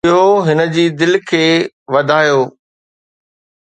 اهو هن جي دل کي وڌايو.